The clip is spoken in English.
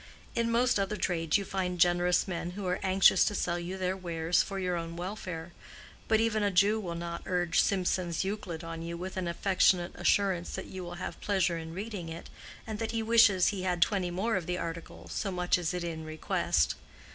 In most other trades you find generous men who are anxious to sell you their wares for your own welfare; but even a Jew will not urge Simson's Euclid on you with an affectionate assurance that you will have pleasure in reading it, and that he wishes he had twenty more of the article, so much is it in request.